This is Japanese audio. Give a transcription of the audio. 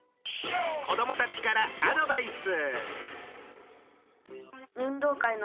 子どもたちからアドバイス。